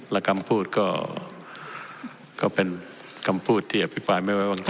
และคำพูดก็เป็นคำพูดที่อภิปรายไม่ไว้วางใจ